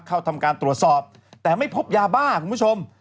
ทำการตรวจสอบแต่ไม่พบยาบ้าคุณผู้ชม